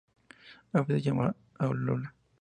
A veces es llamado "alula".